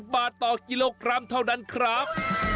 บาทต่อกิโลกรัมเท่านั้นครับ